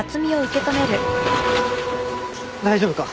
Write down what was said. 大丈夫か？